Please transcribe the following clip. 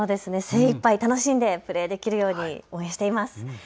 精いっぱい楽しんでプレーできるよう応援しています。